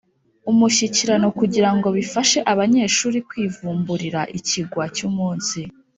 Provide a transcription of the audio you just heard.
’umushyikirano kugira ngo bifashe abanyeshuri kwivumburira ikigwa cy’umunsi.